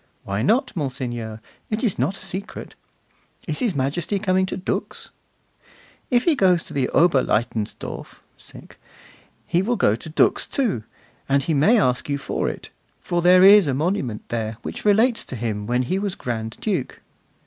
'Why not, monseigneur? It is not a secret, 'Is His Majesty coming to Dux?' 'If he goes to Oberlaitensdorf he will go to Dux, too; and he may ask you for it, for there is a monument there which relates to him when he was Grand Duke.